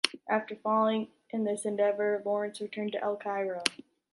After failing in this endeavor, Lawrence returned to El Cairo.